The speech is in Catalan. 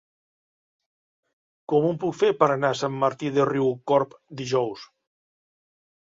Com ho puc fer per anar a Sant Martí de Riucorb dijous?